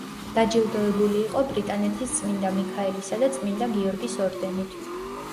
დაჯილდოებული იყო „ბრიტანეთის წმინდა მიქაელისა და წმინდა გიორგის ორდენით“.